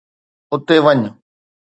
اتي وڃ.